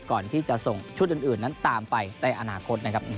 ก่อนที่จะส่งชุดอื่นนั้นตามไปในอนาคตนะครับ